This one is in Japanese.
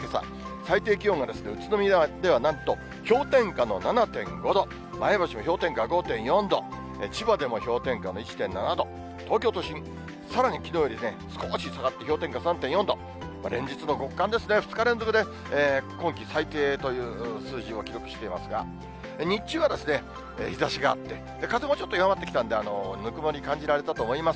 最低気温が宇都宮ではなんと氷点下の７．５度、前橋も氷点下５．４度、千葉でも氷点下の１．７度、東京都心、さらにきのうよりね、少し下がって氷点下３．４度、連日の極寒ですね、２日連続で今季最低という数字を記録していますが、日中は日ざしがあって、風もちょっと弱まってきたんでぬくもり感じられたと思います。